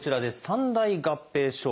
三大合併症。